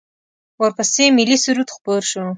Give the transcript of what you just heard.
ورپسې ملی سرود خپور شو.